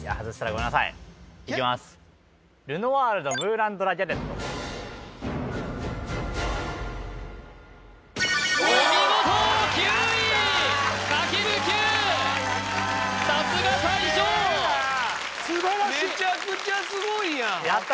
めちゃくちゃすごいやんやった！